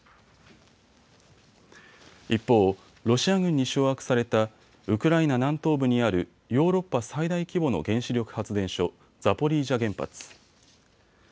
一方、ロシア軍に掌握されたウクライナ南東部にあるヨーロッパ最大規模の原子力発電所、ザポリージャ原発。